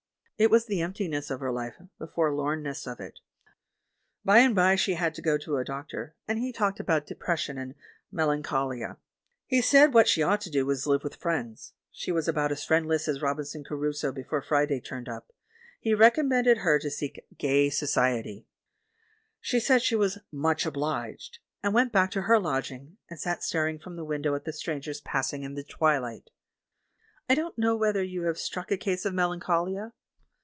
It was the emptiness of her life, the forlornness of it. By and by she had to go to a doctor, and he talked about 'depression' and 'melancholia.' He said what she ought to do was to live with friends —■ she was about as friendless as Robinson Crusoe before Friday turned up — he recommended her to seek 'gay society'! She said she was 'much obliged,' and went back to her lodging, and sat staring from the window at the strangers passing in the twilight. I don't know whether you have struck a case of melancholia